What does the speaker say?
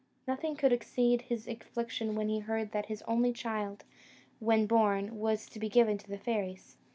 Nothing could exceed his affliction when he heard that his only child, when born, was to be given to the fairies.